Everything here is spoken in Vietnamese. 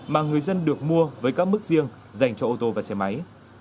mà người dân được mua với các mức riêng dành cho ô tô và xe máy